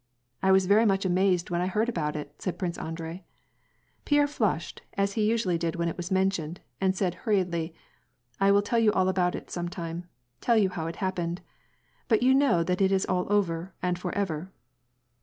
''I was very much amazed when I heard about it/' said Prince Andrei. Pierre flushed, as he usually did when it was mentioned, and said hurriedly :" I will tell you all about it some time — tell you how it happened. But you know that it is all over and for ever."